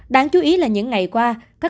đáng chú ý là những ngày qua